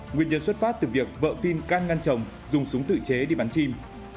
nguyên nhân xuất phát từ việc vợ pin can ngăn chồng dùng súng tự chế đi bắn chim